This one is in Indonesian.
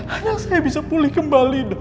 anak saya bisa pulih kembali dok